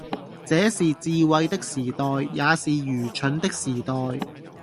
這是智慧的時代，也是愚蠢的時代，